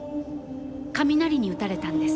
雷に打たれたんです。